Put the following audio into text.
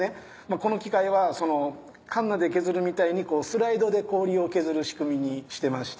この機械はカンナで削るみたいにスライドで氷を削る仕組みにしてまして。